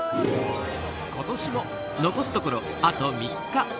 今年も残すところあと３日。